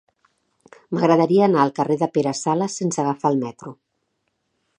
M'agradaria anar al carrer de Pere Sala sense agafar el metro.